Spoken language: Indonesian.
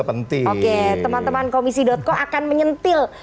penting oke teman teman komisi co akan menyentil